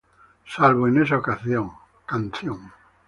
Salvo en esa canción.